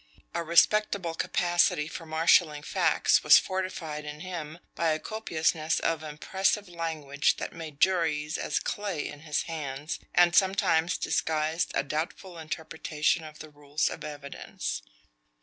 A respectable capacity for marshaling facts was fortified in him by a copiousness of impressive language that made juries as clay in his hands and sometimes disguised a doubtful interpretation of the rules of evidence.